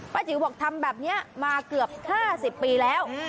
จิ๋วบอกทำแบบนี้มาเกือบ๕๐ปีแล้ว